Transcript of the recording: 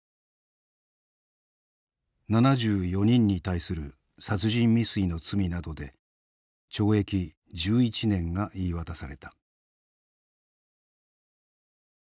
７４人に対する殺人未遂の罪などで懲役１１年が言い渡された。